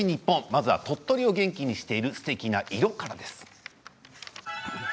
まずは鳥取を元気にしているすてきな色からです。